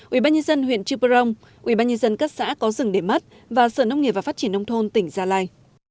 ubnd huyện trư prong ubnd các xã có rừng để mất và sở nông nghiệp và phát triển nông thôn tỉnh gia lai